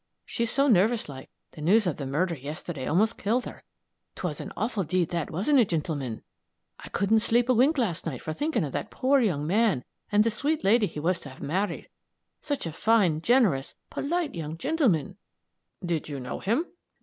She's so nervous like, the news of the murder yesterday almost killed her. 'Twas an awful deed that, wasn't it, gintlemen? I couldn't sleep a wink last night for thinkin' of that poor young man and the sweet lady he was to have married. Such a fine, generous, polite young gintleman!" "Did you know him?"